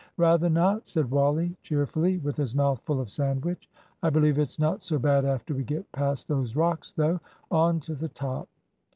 "Rather not," said Wally, cheerfully, with his mouth full of sandwich. "I believe it's not so bad after we get past those rocks though, on to the top."